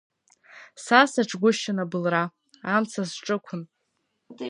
Са саҿгәышьан абылра, амца сҿықәын.